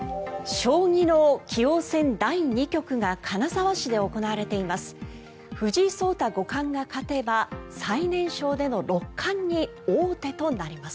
将棋の棋王戦第２局が金沢市で行われています。